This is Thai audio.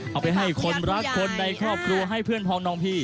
เอาไปให้คนรักคนในครอบครัวให้เพื่อนพองน้องพี่